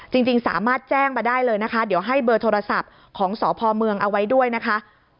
จริงสามารถแจ้งมาได้เลยนะคะเดี๋ยวให้เบอร์โทรศัพท์ของสพเมืองเอาไว้ด้วยนะคะ